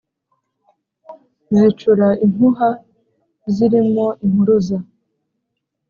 zicura impuha zirimo impuruza